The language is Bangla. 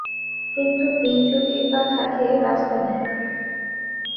কিন্তু দিন যদি বা থাকে, রাস্তা নেই।